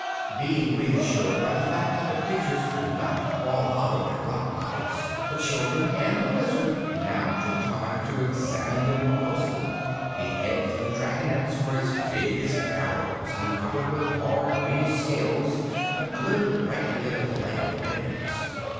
Being reassured by the fact that the creatures could not crawl out of their rock pockets, the children and the Wizard now took time to examine them more closely. The heads of the dragonettes were as big as barrels and covered with hard, greenish scales that glittered brightly under the light of the lanterns.